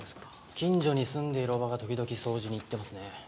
近所に住んでいる叔母が時々掃除に行ってますね。